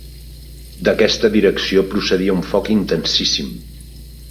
D'aquesta direcció procedia un foc intensíssim